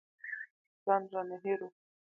ځان رانه هېر و.